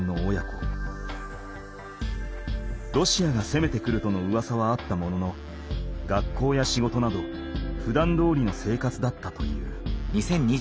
ロシアが攻めてくるとのうわさはあったものの学校や仕事などふだんどおりの生活だったという。